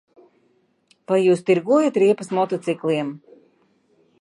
Vai jūs tirgojat riepas motocikliem?